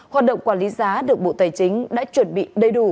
hoạt động quản lý giá được bộ tài chính đã chuẩn bị đầy đủ